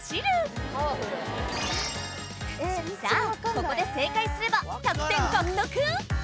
ここで正解すれば１００点獲得！